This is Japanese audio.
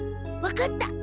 分かった。